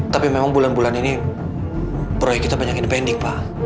tapi memang bulan bulan ini proyek kita banyak inpending pak